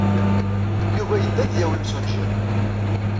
Yuba yedda ad d-yawi imsujji.